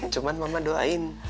cuman mama doain